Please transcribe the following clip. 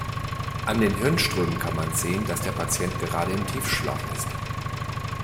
An den Hirnströmen kann man sehen, dass der Patient gerade im Tiefschlaf ist.